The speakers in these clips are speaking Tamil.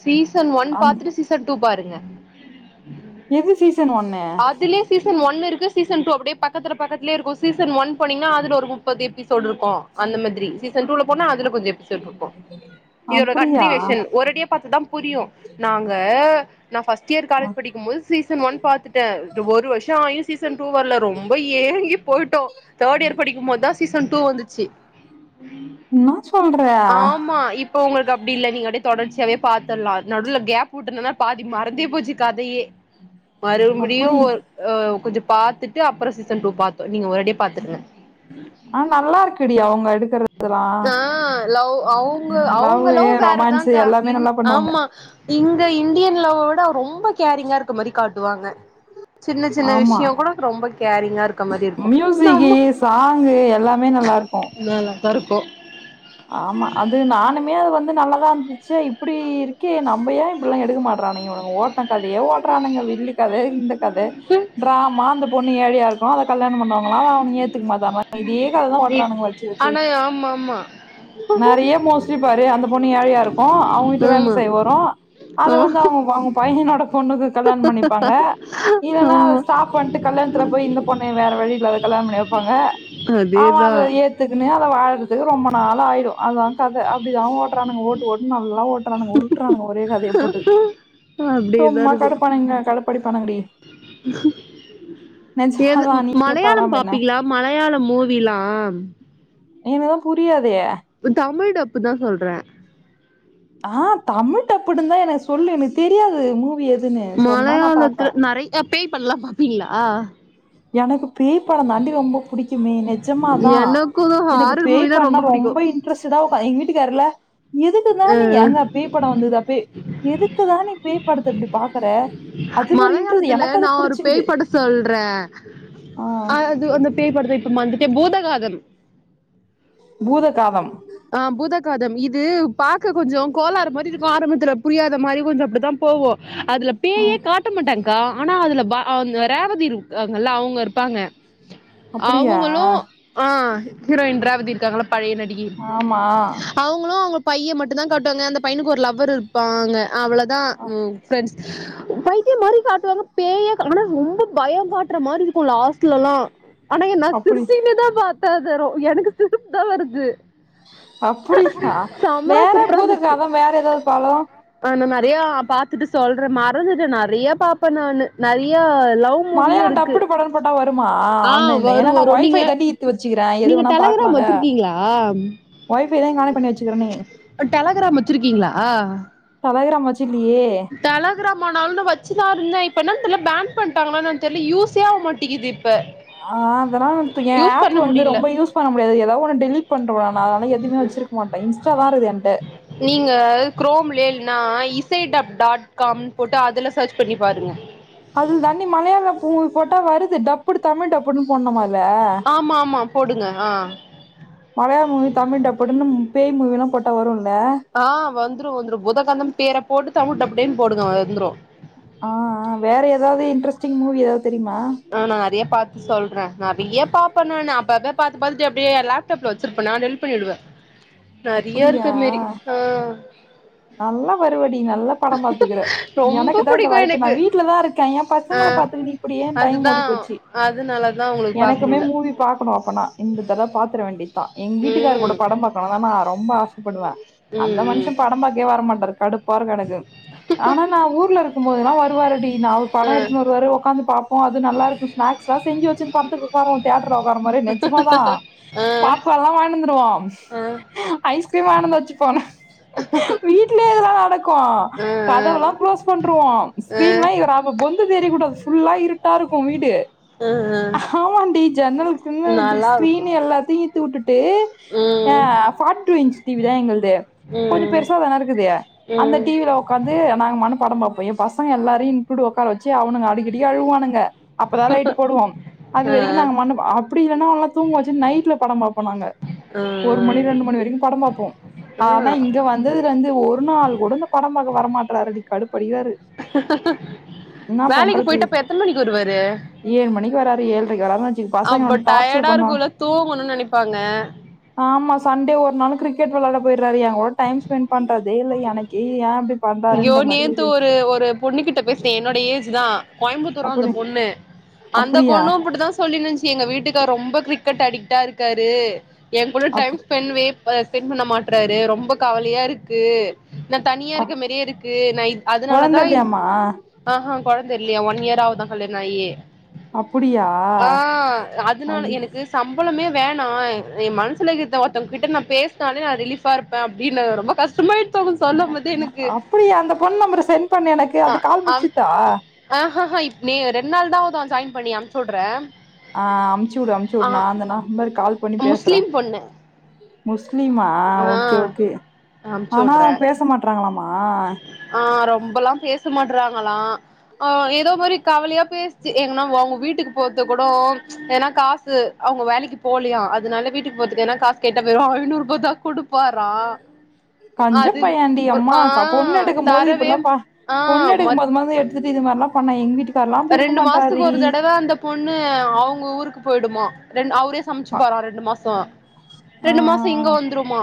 சீசன் ஒன் அந் பாத்துட்டு சீசன் டூ பாருங்க எது சீசன் ஒண்ணு அதுலயே சீசன் ஒன்னு இருக்கு சீசன் டூ அப்டியே பக்கத்துல பக்கத்துலயே இருக்கு சீசன் ஒன் போனீங்னா அதுல ஒரு முப்பது எபிசோட்ருக்கு அந்த மாதிரி சீசன் டூல போனா அதுல கொஞ்ச எபிசோட் இருக்கு இதோட அப்டியா கண்டினியூவேஸ் ஒரடியா பாத்ததா புரியு நாங்க நான் ஃபஸ்ட் இயர் காலேஜ் படிக்கு போது சீசன் ஒன் பாத்துட்ட ஒரு வருஷோ ஆயு சீசன் டூ வர்ல ரொம்ப ஏங்கி போய்ட்டோ தேட் இயர் படிக்கு போதா சீசன் டூ வந்துச்சி என்னா சொல்ற ஆமா இப்ப உங்களுக்கு அப்டி இல்ல நீங்க அப்டே தொடர்ச்சியாவே பாத்தல்லா நடுல கேப் உட்டனனா பாதி மறந்தே போச்சி கதையே மறுபடியு அப்டி ஒரு அ கொஞ்ச பாத்துட்டு அப்புற சீசன் டூ பாத்தோ நீங்க ஒரடியா பாத்துருங்க ஆ நல்லா இருக்குடி அவங்க எடுக்கறதெல்லா நா லவ் அவ் ங்கோ அவுங்க லவ்வு லவ் ரொமான்ஸ் வேறதாக்கா எல்லாமே இன் நல்லா பண்ணுவாங்க ஆமா இங்க இந்தியன் லவ்வோட ரொம்ப கேரிங்கா இருக்க மாரி காட்டுவாங்க சின்ன சின்ன ஆமா விஷ்ய கூட அது ரொம்ப கேரிங்கா இருக்க மாரி இருக்கு மியூசிக்கு நம்ம சாங்கு எல்லாமே நல்லா இருக்கு நல்லதா இருக்கு ஆமா அது நானுமே அது வந்து நல்லதா இருந்துச்சி இப்டி இருக்கே நம்பயே இப்டில்லா எடுக்க மாட்றானே இவ ஓட்ட கதயே ஓட்றானுங்க வில்லி கத இந்த கத ட்ராமா அந்த பொண்ணு ஏழயா இருக்கு அத கல்யாணம் பண்ணுவாங்களா அத ஏத்துக்க மாட்டாங்களா இட் ஆனா ஆமாமா நெறைய மோஷ்லி பாரு அந்த பொண்ணு ஏழையா இருக்கு அவுங்க வீட்ல வேல ஆமா செய்ய வரு அத வந்து ஆ அவ வாங்க பயனோட பொண்ணுக்கு கல்யாண பண்ணிப்பாங்க இவலா அத ஆமா ஸ்டாப் பன்ட்டு கல்யாணத்துல போய் இந்த பொண்ணு வேற வழி இல்லாத கல்யாண பண்ணி வப் பாங்க அதே தா [unintelligible] அவ வாழ்றதுக்கு ரொம்ப நாள் ஆயிடு அதா கத அப்டிதா ஓ ஓட்றானுக ஓட்டு ஓட்டுனு நல்லா ஓட்டுறானுங்க உருட்டுறானுங்க ஒரே கதய போட்டு அப்டியேதா சும்மா இருக்கு கடுப்பானங்க கடுப்படிப்பானுங்க டி எது மலையாளம் பாப்பீங்களா மலையாள மூவிலா என்னதுதா புரியாதே தமிழ் டப்புதா சொல்றே ஆ தமிழ் டப்புடுதி நா சொல்லு எனக்கு தெரியாது மூவி எதுன்னு சொன்னா நா பாப்பே ஏ பேய் படல்லா பாப்பீங்ளா எனக்கு பேய் பட தாண்டி ரொம்ப புடிக்குமே நெஜமாதா எனக்கு எனக்கு ஹாரர் பேய் மூவினா படண்ணா புடிக்கு ரொம்ப இன்ட்ரெஸ்ட்டடா உக்காந் எங்க வீட்டுக்காருல்ல எதுக்குதா நீ ஏங்க பேய் பட வந்துகுதா பேய் எதுக்குதா நீ பேய்ப்படத்த இப்டி பாக்கற அது ஒரு இன்ட்ரஸ்ட் எனக்கு அது புடிச்சிக்குது சொல்ற அது அந்த பேய் படத்த இப்ப மாறந்திட்டே பூதகாதம் பூதகாதம் ஆ பூதகாதம் இது பாக்க கொஞ்சோ கோலாறு மாறி இருக்கு ஆரம்பத்துல புரியாத மாறி கொஞ்ச அப்டிதா போவு அதுல ஆ கட்ட மாட்டங்க்கா ஆனா அதுல ப அந்த ரேவதி இருக்காங்கல்ல அவுங்க இருப்பாங்க அப்படியா அவுங்களு ஆ ஹீரோயின் ரேவதி இருக்காங்கள பழைய நடிகை மா அவுங்களு அவுங்க பைய மட்டுதா காட்டுவாங்க அந்த பையனுக்கு ஒரு லவ்வர் இருப்பாங்க அவ்ளோதா ஃப்ரெண்ட்ஸ் உ பைத்தியம் மாறி காட்டுவாங்க பேயே ஆனா ரொம்ப பய காட்டுற மாறி இருக்கு லாஸ்ட்ல்லா ஆனா எ நா அப்படி சிரிச்சுகினே தா பாத்த அத எனக்கு சிரிப்பு தா வருது அப்புடியா செம வேற சூப்பரா இருந்துச்சு பூதகாதம் வேற எதாவது பலோ ஆ நா நெறையா பாத்துட்டு சொல்ற மறந்துட்ட நெறையா பாப்ப நானு நெறையா லவ் மூவியு மலையாள இருக்கு டப்புடு படோன்னு போட்டா வருமா ஆ ஆன்லைன்ல வரு ஏன்னா நா வரு ஒய் ஃபை நீங்க தான் டி த்து வெச்சுக்கிறே எது நீங்க வேணா டெலகிராம் பாக்கலால வச்சிருக்கீங்களா ஒய் ஃபை தா கானெக்ட் பண்ணி வெச்சுக்கறனே டெலகிராம் வச்சிருக்கீங்களா டெலகிராம்மா வெச்சிக்கலையே டெலகிராமாலானு வெச்சுதா இருந்தே இப்போ என்னனு தெர்ல ஃபேன் பண்ட்டாங்களா என்னனு தெர்ல யூசே ஆக மாட்டிது ஆ அதெல்லா [unintelligible] ஏ ஆஃப்பு பண்ண வந்து முடியல ரொம்ப யூஸ் பண்ண முடியாது எதா ஒன்னு டெலிட் பண்றுவே நா அதனா எதுவுமே வெச்சிருக்க மாட்டே இன்ஸ்ட்டா தா இருக்குது ஏன்ட நீங்க குரோம்லே இல்லனா இசை டப் டாட் காம்னு போட்டு அதுல சர்ச் பண்ணி பாருங்க அதுதான் டி மலையாள மூவினு போட்டா வருது டப்புடு தமிழ் டப்புடுனு போட்னுமா அதுல ஆமா ஆமா போடுங்க ஆ மலையாள மூவி தமிழ் டப்புடுனு பேய் மூவில்லா போட்டா வருல்ல ஆ வந்துரு வந்துரு பூதகாதம்னு பேர போட்டு தமிழ் டப்டேனு போடுங்க வந்துரு ஆ ஆ வேற எதாவது இன்ட்ரஸ்ட்டிங் மூவி எதாவது தெரியுமா ம் நெறைய பாத்து சொல்ற நெறைய பாப்ப நானு அப்ப அப்ப பாத்து பாத்துட்டு அப்டியே லேப்டாப்ல வெச்சிருப்பனா டெலீட் பண்ணிடுவ நெறியா இருக்கு அப்படியா அதுமேரி நல்லா வருவ டி நல்லா படம் பாத்துக்கிற ரொம்ப எனக்குதா இந்த புடிக்கு வாய்ப்பு நா எனக்கு வீட்ல தா இருக்க ஏ ஆ பசங்கள பாத்துக்க அப்டியே டைம் அதுதா ஓடி போச்சு அதுனாலதா உங்களுக்கு பாக்க எனக்குமே முடில மூவி பாக்கணு அப்பனா இந்த தடவ பாத்துரவேண்டி தா எங்க வீட்டுக்காரு கூட ம் படோ பாக்கணுன்னா நா ரொம்ப ஆசப்படுவே அந்த ம் மனுஷே க்கே வர மாட்டாரு கடுப்பா இருக்கு எனக்கு ஆனா நா ஊர்ல இருக்கும்போதெல்லா வருவாருடி நா ம் ஆ படோ எடுதுன்னு வருவாரு ஒக்காந்து பாப்போ அது நல்லா இருக்கு ஸ்நாக்ஸ்லா செஞ்சு வச்சின்னு படத்துக்கு உக்காருவோ தேட்ருல ஒக்காற மாறி நெஜமாதா ஆ பாப் கான்ல்லா வாங்கின்னு வந்துருவோ ஆ ஆ ஐஸ்கிரீம் வாங்கின்னுவந்து வச்சுபோ வீட்லயே இதெல்லா நடக்கு ஆ கதவுல்லா குளோஸ் பண்றுவோ ஆ ஸ்கிரீன்லா இவரு அப்ப பொந்து தெரிய கூடாது ஃபுல்லா இருட்டா இருக்கு வீடு ஆ ஆ ஆமான்டி ஜன்னல் ஜன்னல்ல இருக்குற நல்லா இருக்கு ஸ்கிரீன் எல்லாத்தையு ஈத்து உட்டுட்டு் ஏ ம் பார்டி டூ இன்ச் டிவிதா எங்கள்து கொஞ்ச ம் பெருசா தான இருக்குது அந்த ம் டிவியில ஒக்காந்து நாங்கமான படம் பாப்போ ஏ பசங்க எல்லாரையு இன்க்ளுட் ஒக்கார வச்சி அவனுங்க அடிக்கடிக்கு அழுவுவானுங்க அப்பதா லைட்டு போடுவோ அது ஆ வரிக்கு நாங்கமாட்னு வா அப்டி இல்லன்னா அவல்லா தூங்க வச்சு நைட்ல படோ பாப்போ நாங்க ஆ ஒரு மணி ரெண்டு மணி வரக்கு படோ பாப்போ ஆ ஆனா இங்க வந்ததுலேந்து ஒரு நாள் கூட இந்த படம் பாக்க வரமாட்றாரு டி கடுப்படிக்கிறாரு என்னா வேலக்கி பண்றது போய்ட்டு அப்ப எத்தன் மணிக்கி வருவாரு ஏழு மணிக்கு வர்றாரு ஏழ்ரைக்கு வராங்க அப்ப டயர்டா இருக்குல்ல தூங்கணுன்னு நெனைப்பாங்க ஆமா சண்டே ஒரு நாளு கிரிக்கெட் விளாட போயிரு றாரு ஏ கூட டைம் ஸ்பெண்ட் பண்றதே இல்ல எனக்கே இது ஏ இப்டி அய்யோ பண்றாருன்ற மாரி நேத்து இருக்கு ஒரு ஒரு பொண்ணு கிட்ட பேசுனே என்னோட ஏஜ் தா கோயம்புத்தூரா அந்த அப்டி பொண்ணு அந்த அப்டியா பொண்ணு இப்டிதா சொல்லின்னுருன்ச்சி எங்க வீட்டுக்காரர் ரொம்ப கிரிக்கெட் அடிக்டா இருக்காரு ஏ கூட அப் டைம் ஸ்பெண்ட் வே ஆ ஸ்பெண்ட் பண்ண மாட்டறாரு ரொம்ப கவலையா இருக்கு நா தனியா இருக்க அப் மேரியே இருக்கு நா இ கொழந்த அதுனாலதா இல்லையாமா ஆ ஹா கொழந்தை இல்லியா ஒன் இயர் ஆவுதா கல்யாண ஆயி அப்புடியா ஆ அதுனால ஐயோ எனக்கு சம்பளமே வேணா ஏ மனசுலகிறத ஒர்த்தவுங்க கிட்ட நா பேசினாலே நா ரிலீஃபா இருப் பே அப்டின்னா ரொம்ப கஷ்டமாயிட்து அவங்க சொல்லம் போதே எனக் அப்டியா அந்த பொண்ணு நம்பரை செண்ட் பண்ணு எனக்கு அது கால் முடிச்சுத்தா ஆஹஹஹ இப் நே ரெண்நாள்தா ஆவுதா ஜாயின் பண்ணி அம்ச்சி வுடுறே ஆ அம்ச்சுவுடு அம்ச்சுவுடு நா அந்த நம்பர்க்கு கால் பண்ணி பேசுறே முஸ்லிம் பொண்ணு முஸ்லிமா ஆ ஓகே ஓகே அனுப்ச்சு ஆனா வுட்றே பேச மாட்றாங்களாமா ஆ ரொம்பல்லா பேசமாட்றாங்களா ஆ எதோ மாறி கவலையா பேசுச்சு எங்கன்னா வா அவுங்க வீட்டுக்கு போற்றதுக்கு கூடோ எதுனா காசு அவுங்க வேலக்கி போலையா அதுனால வீட்டுக்கு போறதுக்கு எதுனா காசு கேட்டா வெறு ஐந்நூறுபாதாக் குடுப் பாறா கஞ்சப் பையண்டி அம்மா கா பொண்ணு எடுக்கும் போது தரவே இப்பல்லா பா ஆ பொண்ணு எடுக்கும் மத் போது மட்டு எடுத்துட்டு இதுமாரில்லா பண்ணா எங்க வீட்டுக்கு ரெண்டு மாசத்துக்கு ஒரு தடவ அந்த பொண்ணு அவங்க ஊருக்கு போயிடுமா ரெண் அவர் இப்டியே ஆ சமச்சுப்பறா ரெண்டு மாசோ ஆ ரெண்டு மாசோ ஆ இங்க வந்துருமா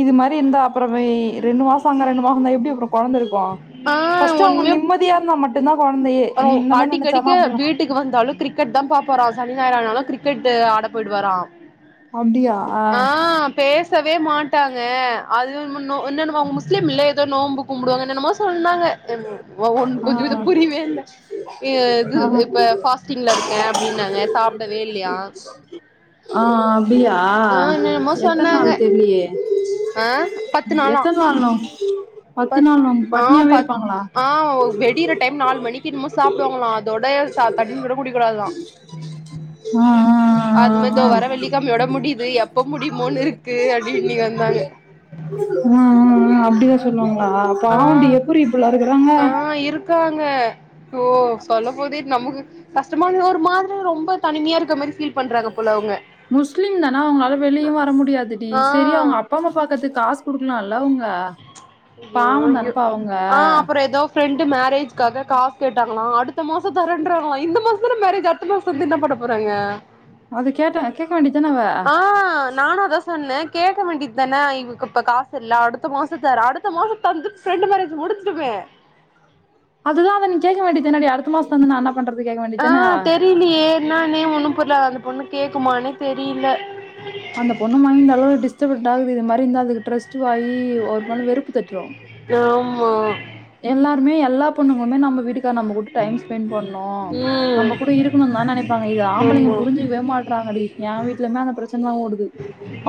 இது மாரி இருந்தா அப்பறமே ரெண்டு மாசோ அங்க ரெண்டு மாசன்னா எப்டி அப்றோ கொழந்த இருக்கு ஆ ஃபர்ஸ்ட் அவங்க நிம்மதியா இருந்தா மட்டுந்தா கொழந்தையே ஆ நீ என்னதா அடிக்கடிக்க நெனச்சாலு அப்டிதா வீட் ட்டுக்கு வந்தாலு கிரிக்கெட்தா பாப்பாரா சனி ஞாயிற் ஆனாலு கிரிக்கெட்டு ஆட போய்டுவாரா அப்டியா ஆ நாம் பேசவே மாட்டாங்க அது முன்னோ என்னென்னமோ அவ்ங்க முஸ்லீம்லே எதோ நோம்பு கும்புடுவாங்க என்னென்னமோ சொன்னாங்க எம் ஒ ஒன் ஆ கொஞ்ச கொஞ்சோ புரிவே இல்ல ஏ இது இப்ப ஃபாஸ்டிங்ல இருக்கே அப்டின்னாங்க சாப்டவே இல்லியா ஆ அப்டியா ஆ என்னென்னமோ எத்தன் சொன்னாங்க நாள் தெர்லியே ஆ பத்து நாளா எத்தன் நாள் நோ பத்து நாள் நோம்ப் ஆ பட்னியாவே பத் இருப்பாங்களா ஆ வெடிற டைம் நால் மணிக்கு இன்மோ சாப்டுவாங்களா அதோட சா தண்ணி கூட குடிக்கூடாதா ஆ ஆ அது மெ இதோ ஆ வர ஆ வெள்ளிக்கெழ்மயோட முடிது எப்போ முடியுமோன் இருக்கு அப்டின்னு வந்தாங்க ம் ம் ம் அப்டிதா சொல்லுவாங்ளா பாவண்டி எப்புரி இப்புல்லா இருக்குறாங்க காங்க ஓ சொல்லம்போதே நமக்கு கஷ்டமானது ஒரு மாதிரி ரொம்ப தனிமியா இருக்க மாரி ஃபீல் பண்றாங்க போல அவ்ங்க முஸ்லிம் தானா அவுங்ளால வெளிய வர முடியாதுடி ஆ செரி அவ்ங் அப் பாம்மா பாக்கற்து காஸ் குடுக்குலால அவ்ங்க ஜயோ ஜயோ ஆ அப்புற எதோ ஃபிரெண்டு மேரேஜ்காக காஸ் கேட்டாங்குளா அடுத்த மாச தரேன்றாங்களா இந்த மாஸ்ந்தான மேரேஜ் அட் த்த மாஸ் தந்து இன்ன பண்ண போறாங்க அது கேட்ட கேக்க வேண்டிதுதான அவ ஆ நானு அதா சொன்ன கேக்க வேண்டிதான இவுக்கு இப்ப காசில்ல அடுத்த மாசதர அடு த்த மாசு தந்து பிரெண்டு மேரேஜ் முடிஞ்டுமே அதுதா அதன் கேக்க வேண்டிதானடி அடுத்த மாஸ்தந்து நா என்ன பண்றது கேக்க வேண்டிதான இனி என்னானே ஒன்னு புர்ல அந்த பொண்ணு கேக்குமானே தெரில அந்த பொண்ணு மைன் அளவு டிஸ்டபட்டாகுது இது மாரி இருந்தா அதுக்கு ட்ரஸ்ட்டுவாயி ஒரு மனு வெறுப்பு தட்ரு ஆமா எல்லாருமே எல்லா பொண்ணுங்குள்மே நம்ம வீடு கா நம்ம கூட டைம் ஸ்பெண் பண்ணூ ம் நம்ம கூட இருக்குணுன்தா நெனைப்பாங்க இது ஆம்பளைங்க ஆமா புரிஞ்சு க்வே மாட்றாங்கடி ஏன் வீட்லுமே அந்த பிரச்சின்தா ஓடுது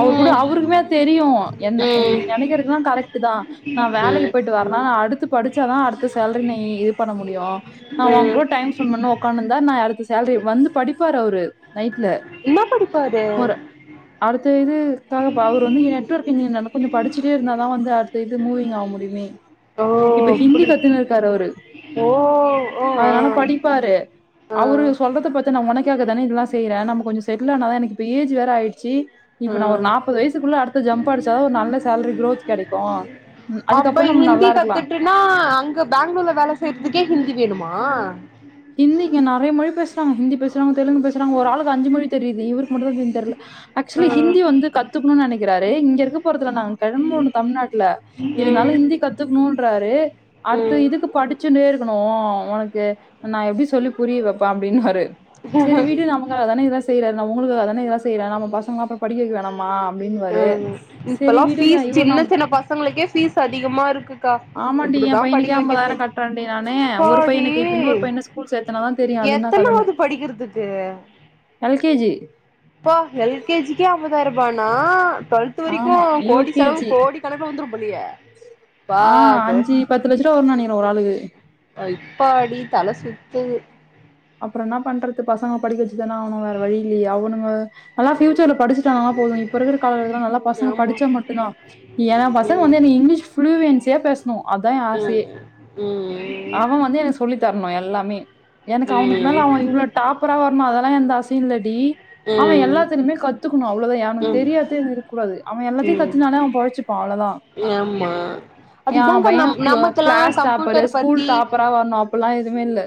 அவர் கூட அவுருக்குமே தெரியு என்ன ம் எ நீ ம் நெனைக்குறதுலா கரெக்ட்டுதா நா வேலைக்கு போய்ட்டு வர்னால அடுத்து படிச்சாதா அடுத்த சேல்ரி நீ இது பண்ண முடியு நா ம் ஓங்கூட டைம் ஸ்பென் பண்ண ஒக்காந்துர்ந்தா நா அடுத்த சேல்ரி வந்து படிப்பாரு அவுரு நைட்ல இப்ப அது ஒரு அடுத்த இது ஸ்தானாப்பா ந்தாங்க அவர் வந்து நெட்ஒர்க் இன்ஜினினர் அதா கொஞ்சு படிச்சுட்டே இருந்தாதா வந்து அடுத்த இது மூவிங் ஆவ் முடிமே ஓ இப்ப ஹிந்தி அப்டி கத்துன் இருக்காரு அவரு ஓ ஓ ஆ அதனால படிப்பாரு ஆ அவரு சொல்றத பாத்து நா ஒனக்காகதான இதுலா செய்ற நம்ம கொஞ்சு செட்டில் ஆனாதா எனக்கு இப்ப ஏஜு வேற ஆய்ட்ச்சி ஆ இப்ப நா ஒரு நாப்பது வயசுக்குள்ள அடுத்த ஜம்ப் அடிச்சாதா ஒரு நல்ல சேல்ரி குரோத் கெடைக்கு அப்ப அதுக்கப்புறோ நம்ம ஹிந்தி நல்லா இருக்கலா கத்துட் டுனா அங்க பேங்ளூர்ல வேல செய்ற்துகே ஹிந்தி வேணுமா ஹிந்தி இங்க நெறைய மொழி பேஸ்றாங்க ஹிந்தி பேசுறாங்க தெலுங்கு பேசுறாங்க ஒரு ஆளுக்கு அஞ்சு மொழி தெரிது இவுரு முழுவதுமே தெர்ல ஆ, ஆக்சுலி ம் ஹிந்தி வந்து கத் துக்குணு நெனைக்குறாரு இங்க இருக்க போறதுல நா கெழம்புன் தம்நாட்ல இருந்தாலு ம் ஹிந்தி கத்துக்ணூன்றாரு அடுத்த ம் இதுக்கு படிச்சினே இருக்கணு ஒனக்கு நா எப்டி சொல்லி புரிய வைப்ப அப்டின்வாரு செரி விடு நமக்காகதானே இவ செய்யற நா உங்களுக்காக தானே இதெல்லா செய்யிரே நம்ம பசங்கள அப்போ படிக்க வெக்க வேணாமா மா அப்படின்னுவாரு செரி விடுங்க இவர் நம் அவங்களுக்கே ஃபீஸ் அதிகமா இருக்கு ஆமாண்டி எ பையனுக்கே ஐம்பதாயிரோ கட்டுறேன்டி நானு ஒரு அப்பாடி பையனுக்கு இப்ப இன்னொரு பையன ஸ்கூ ஸ்கூல் சேத்துனா தா தெரியு அது என்ன கதேனு எத்தனாவது படிக்கிறதுக்கு எல் கே ஜி ப்பா எல் கே ஜிக்கே ஐம்பதாயிரோ ரூபானா டுவெல்த் டுவெல்த் வரைக்கு ஆமா யூ கோடி கே செலவு ஜி கோடி கணக்குல வந்துரு போலயே பா ஆ கோ அஞ்சு பத்து லட்ச ரூவா வரூனு நெனைக்குர ஒரு ஆளுக்கு அப்பாடி தல சுத்துது அப்புறோ என்ன பண்றது பசங்க படிக்க வச்சுதான ஆவனு வேற வழி இல்லயே அவனுங்க ஆனா பியூச்சர்ல படிச்சிட்டாங்கனா போது இப்ப இருக்குற காலகட்டத்தில்ல நல்லா பசங்க ஆமா படிச்சா மட்டுதா ஏ பசங்க ம் வந்து எனக்கு இங்கிலீஷ் ஃப்ளுவன்சியா பேச பேசனு அதா எ ஆசையே ம் ம் ம் அவ வந்து எனக்கு சொல்லி தரணு எல்லாமே எனக்கு அவனுக்கு மேல அவ ம் இவ்ளோ டாப்பரா வரணு அதெல்லா எந்த ஆசையு இல்லடி அவ எல்லாத்தையுமே கத்துக்கணு அவ்வளவுதா எனக்கு ம் தெரியாது தெரியலனு இருக்க கூடாது அவ எல்லத்தையு ம் கத்துனாலே அவ பொழச்சுப்பா அவ்ளதா ஆமா அதுதாங்க நம் க்ளோ நமக்கலா கிளாஸ் டாப்பரு கம்ப்யூட்டர் ஸ்கூல் பத்தி டாப்பரா வரணு அப்பல்லா எதுமே இல்ல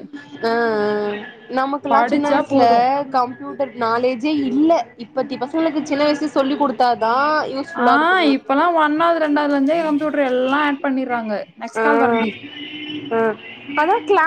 ஆ ஆ நமக்குலா சின்ன படிச்சா வயசுல போது கம் கம்ப்யூட்டர் நாலேஜே இல்ல இப்பத்தி பசங்களுக்கு சின்ன வயசுல சொல்லி கொடுத்தாதா ஆ இப்பெல்லா ஒண்ணாவது ரெண்டாவதுல இருந்தே கம்ப்யூட்டர் எல்லா ஏட் பண்ணிடுறாங்க ஆ நெக்ஸ்ட் கால் வரண்டி ஆ அதா கிளா